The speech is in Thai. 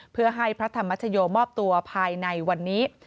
เพื่อให้พระธรรมชโยมอบตัวภายในวันนี้